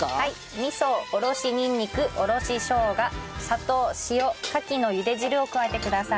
味噌おろしにんにくおろし生姜砂糖塩カキの茹で汁を加えてください。